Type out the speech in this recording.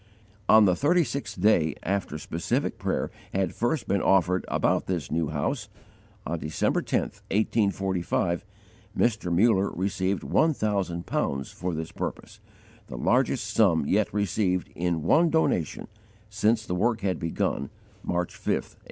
On the thirty sixth day after specific prayer had first been offered about this new house, on December 10, 1845, Mr. Muller received one thousand pounds for this purpose, the largest sum yet received in one donation since the work had begun, March 5, 1834.